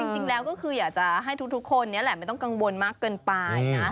จริงแล้วก็คืออยากจะให้ทุกคนนี้แหละไม่ต้องกังวลมากเกินไปนะ